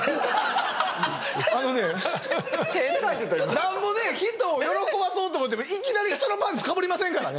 なんぼね人を喜ばそうと思ってもいきなり人のパンツかぶりませんからね！